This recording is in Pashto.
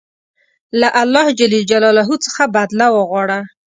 له الله ج څخه بدله وغواړه.